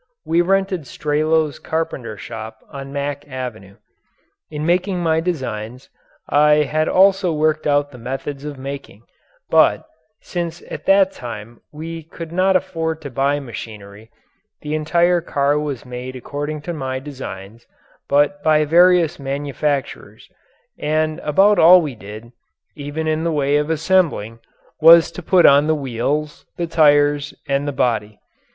We rented Strelow's carpenter shop on Mack Avenue. In making my designs I had also worked out the methods of making, but, since at that time we could not afford to buy machinery, the entire car was made according to my designs, but by various manufacturers, and about all we did, even in the way of assembling, was to put on the wheels, the tires, and the body.